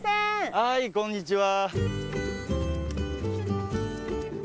はいこんにちは。